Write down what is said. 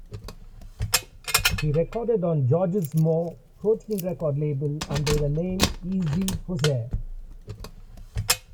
He recorded on George's More Protein record label under the name E-Zee Possee.